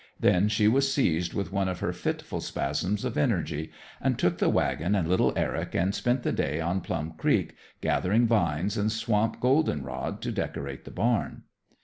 Then she was seized with one of her fitful spasms of energy, and took the wagon and little Eric and spent the day on Plum Creek, gathering vines and swamp goldenrod to decorate the barn.